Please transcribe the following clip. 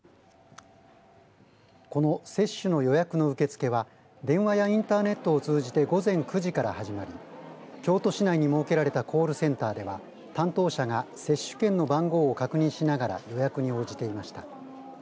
この接種の予約の受け付けは電話やインターネットを通じて午前９時から始まり、京都市内に設けられたコールセンターでは担当者が接種券の番号を確認しながら予約に応じていました。